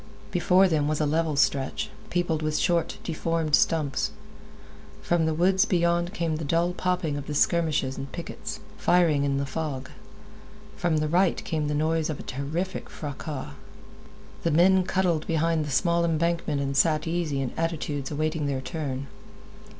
Before them was a level stretch, peopled with short, deformed stumps. From the woods beyond came the dull popping of the skirmishers and pickets, firing in the fog. From the right came the noise of a terrific fracas. The men cuddled behind the small embankment and sat in easy attitudes awaiting their turn.